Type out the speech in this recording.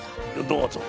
どうぞ。